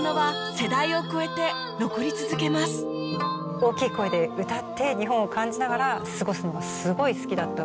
大きい声で歌って日本を感じながら過ごすのがすごい好きだった。